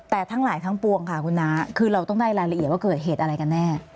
แต่ทั้งหลายทั้งปวงค่ะคุณน้าคือเราต้องได้รายละเอียดว่าเกิดเหตุอะไรกันแน่